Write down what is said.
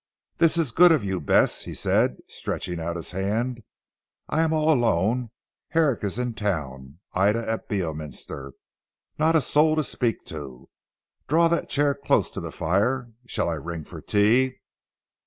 "This is good of you Bess," he said stretching out his hand, "I am all alone; Herrick is in Town; Ida at Beorminster. Not a soul to speak to. Draw that chair close to the fire. Shall I ring for tea?"